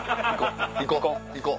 行こう！